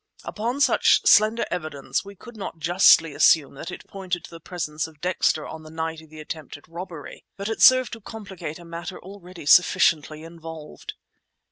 Upon such slender evidence we could not justly assume that it pointed to the presence of Dexter on the night of the attempted robbery, but it served to complicate a matter already sufficiently involved.